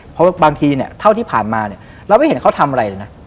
เพราะบางทีเท่าที่ผ่านมาเราไม่เห็นเขาทำอะไรเลยนะ